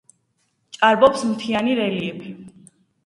ჭარბობს მთიანი რელიეფი.